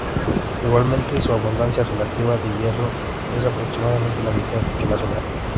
Igualmente, su abundancia relativa de hierro es aproximadamente la mitad que la solar.